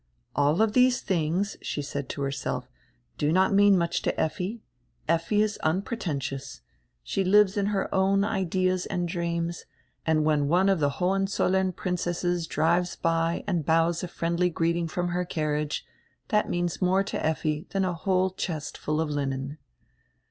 "All diese things," said she to herself, "do not mean much to Effi. Effi is unpretentious; she lives in her own ideas and dreams, and when one of die Hohenzollern princesses drives, by and bows a friendly greeting from her carriage diat means more to Effi dian a whole chest full of linen."